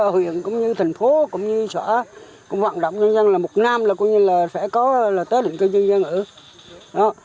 huyện cũng như thành phố cũng như xã cũng vận động nhân dân là một năm là có như là phải có là tái định cư nhân dân ở